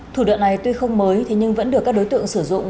thủ đoạn này tuy không mới nhưng vẫn được các đối tượng sử dụng